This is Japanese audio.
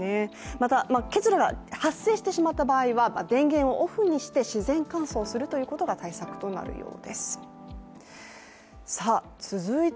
また、結露が発生してしまった場合は電源をオフにして自然乾燥することが対策となるそうです。